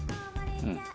うん。